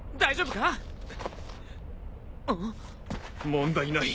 問題ない。